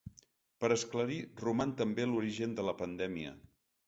Per esclarir roman també l’origen de la pandèmia.